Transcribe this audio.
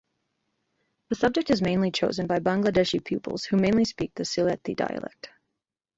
The subject is mainly chosen by Bangladeshi pupils, who mainly speak the Sylheti dialect.